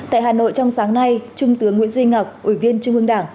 tại hà nội trong sáng nay trung tướng nguyễn duy ngọc ủy viên trung ương đảng